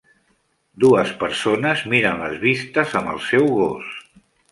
Dues persones miren les vistes amb el seu gos.